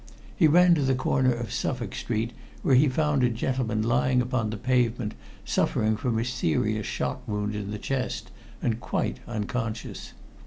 He ran to the corner of Suffolk Street, where he found a gentleman lying upon the pavement suffering from a serious shot wound in the chest and quite unconscious.